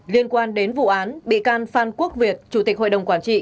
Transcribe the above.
liên quan đến vụ án bị can phan quốc việt chủ tịch hội đồng quản trị